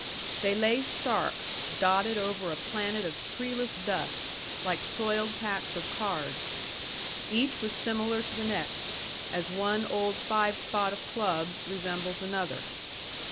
They lay stark, dotted over a planet of treeless dust, like soiled packs of cards. Each was similar to the next, as one old five spot of clubs resembles another.